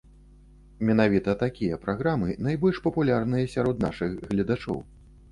Менавіта такія праграмы найбольш папулярныя сярод нашых гледачоў.